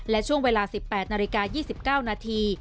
และช่วงเวลา๑๘นาฬิกา๒๙นาที